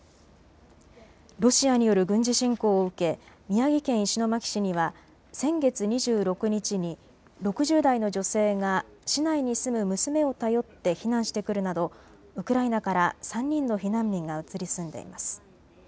ロシアによる軍事侵攻を受け宮城県石巻市には先月２６日に６０代の女性が市内に住む娘を頼って避難してくるなどウクライナから３人の避難民が移り住んでいます。